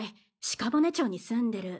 鹿骨町に住んでる。